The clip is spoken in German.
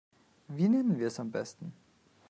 Wie nennen wir es am besten?